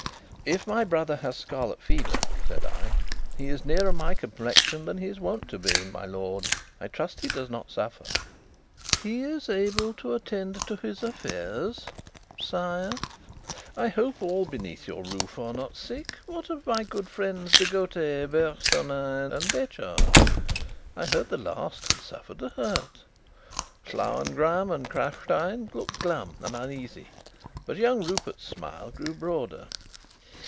"If my brother has scarlet fever," said I, "he is nearer my complexion than he is wont to be, my lord. I trust he does not suffer?" "He is able to attend to his affairs, sire." "I hope all beneath your roof are not sick. What of my good friends, De Gautet, Bersonin, and Detchard? I heard the last had suffered a hurt." Lauengram and Krafstein looked glum and uneasy, but young Rupert's smile grew broader.